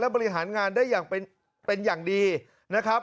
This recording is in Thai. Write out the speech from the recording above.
บริหารงานได้อย่างเป็นอย่างดีนะครับ